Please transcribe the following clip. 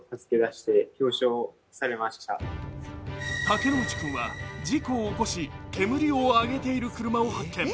竹之内君は事故を起こし煙を上げている車を発見。